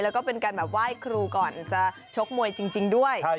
แล้วก็เป็นการแบบไหว้ครูก่อนจะชกมวยจริงด้วย